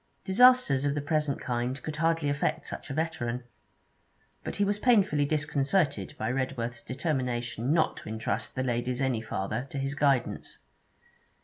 Disasters of the present kind could hardly affect such a veteran. But he was painfully disconcerted by Redworth's determination not to entrust the ladies any farther to his guidance.